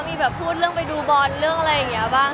มีแบบพูดเรื่องไปดูบอลเรื่องอะไรอย่างนี้บ้าง